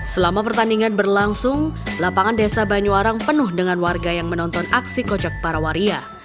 selama pertandingan berlangsung lapangan desa banyuwarang penuh dengan warga yang menonton aksi kocok para waria